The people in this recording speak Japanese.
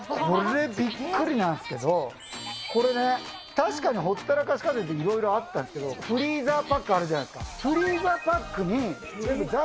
これ、びっくりなんですけど、これね、確かにほったらかし家電っていろいろあったんですけど、フリーザーパックあるじゃないですか。